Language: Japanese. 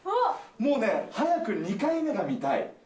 もうね、早く２回目が見たい。